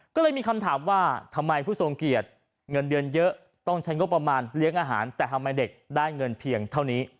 ก็เลยมีคำถามว่าทำไมผู้ทรงเกียจเงินเดือนเยอะต้องใช้งบประมาณเลี้ยงอาหารแต่ทำไมเด็กได้เงินเพียงเท่านี้